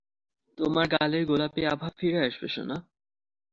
তোমার গালের গোলাপি আভা ফিরে আসবে, সোনা।